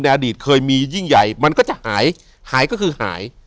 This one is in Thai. อดีตเคยมียิ่งใหญ่มันก็จะหายหายก็คือหาย